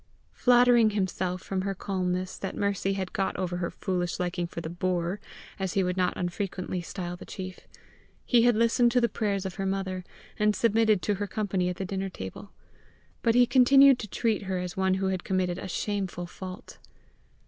Flattering himself from her calmness that Mercy had got over her foolish liking for the "boor," as he would not unfrequently style the chief, he had listened to the prayers of her mother, and submitted to her company at the dinner table; but he continued to treat her as one who had committed a shameful fault.